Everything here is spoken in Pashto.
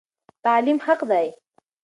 تعلیم حق دی.